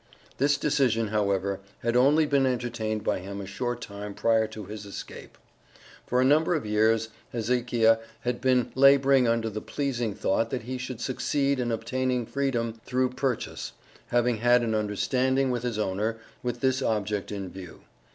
This decision, however, had only been entertained by him a short time prior to his escape. For a number of years Hezekiah had been laboring under the pleasing thought that he should succeed in obtaining freedom through purchase, having had an understanding with his owner with this object in view.